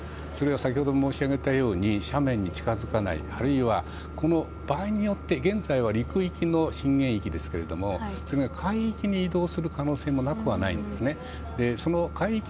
先ほど申し上げたように斜面に近づかないあるいは、場合によって現在陸寄りの震源ですがそれが海域に移動する可能性もなくはないんですね。